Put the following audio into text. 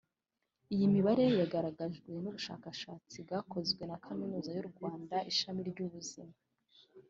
Iyi mibare yagaragajwe n’ubushakashatsi bwakozwe na Kaminuza y’u Rwanda Ishami ry’Ubuzima